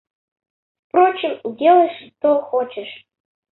Впрочем, делай, что хочешь...